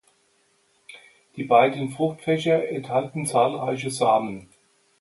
Die beiden Fruchtfächer enthalten zahlreiche Samen.